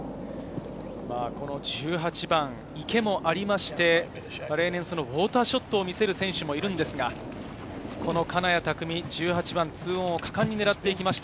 この１８番、池もありまして、例年、ウオーターショットを見せる選手もいるんですが、金谷拓実、１８番で２オンを果敢に狙っていきました。